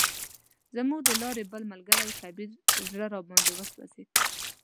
زموږ د لارې بل ملګری کبیر زړه راباندې وسوځید.